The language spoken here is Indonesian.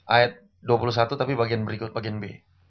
ayat dua puluh satu tapi bagian berikut bagian b